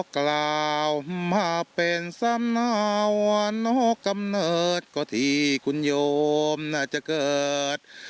กล่าวมาเป็นสำนาวันนอกกำเนิดก็ที่คุณโยมน่าจะเกิด